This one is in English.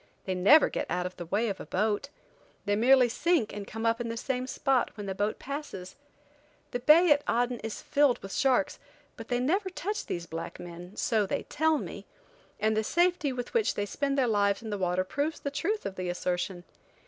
They never get out of the way of a boat. They merely sink and come up in the same spot when the boat passes. The bay at Aden is filled with sharks, but they never touch these black men, so they tell me, and the safety with which they spend their lives in the water proves the truth of the assertion.